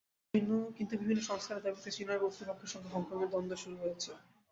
কিন্তু বিভিন্ন সংস্কারের দাবিতে চীনের কর্তৃপক্ষের সঙ্গে হংকংয়ের দ্বন্দ্ব শুরু হয়েছে।